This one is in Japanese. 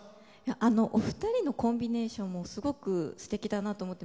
お二人のコンビネーションがすてきだなと思って。